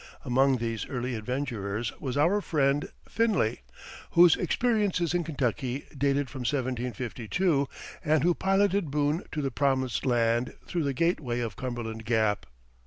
Among these early adventurers was our friend Finley, whose experiences in Kentucky dated from 1752, and who piloted Boone to the promised land through the gateway of Cumberland Gap.